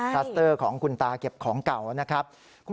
คัสเตอร์ของคุณตาเก็บของเก่านะครับ